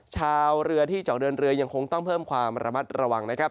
ชาวเรือที่จะออกเดินเรือยังคงต้องเพิ่มความระมัดระวังนะครับ